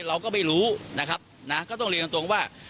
เราก็ไม่รู้นะครับนะก็ต้องเรียนตรงว่า